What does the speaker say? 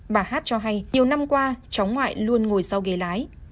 bà hát cho hay nhiều năm qua cháu ngoại luôn ngồi sau ghế lái